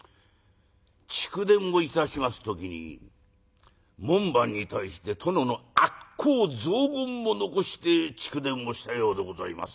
「逐電をいたします時に門番に対して殿の悪口雑言を残して逐電をしたようでございます」。